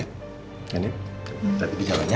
danin berarti di jalannya